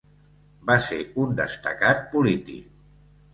Va ser un destacat polític.